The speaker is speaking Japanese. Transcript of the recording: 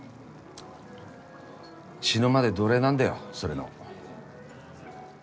死ぬまで奴隷なんだよそれの。